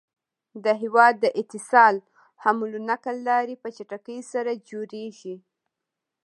د هيواد د اتصال حمل نقل لاری په چټکی سره جوړيږي